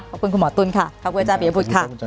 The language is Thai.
ขอบคุณคุณหมอตุ้นค่ะขอบคุณอาจารย์พิมพ์พุทธค่ะ